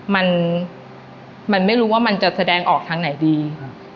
มันมันไม่รู้ว่ามันจะแสดงออกทางไหนดี